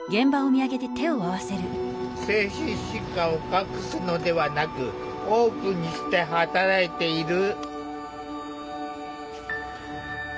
精神疾患を隠すのではなくオープンにして働いている。